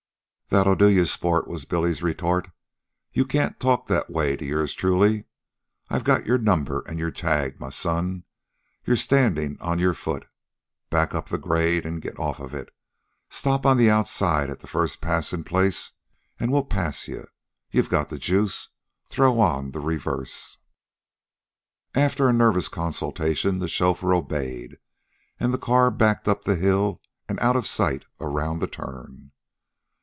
"That'll do you, sport," was Billy's retort. "You can't talk that way to yours truly. I got your number an' your tag, my son. You're standin' on your foot. Back up the grade an' get off of it. Stop on the outside at the first psssin' place an' we'll pass you. You've got the juice. Throw on the reverse." After a nervous consultation, the chauffeur obeyed, and the car backed up the hill and out of sight around the turn.